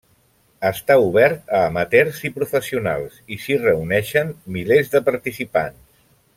Està obert a amateurs i professionals i s'hi reuneixen milers de participants.